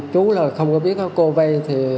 chú không biết cô vay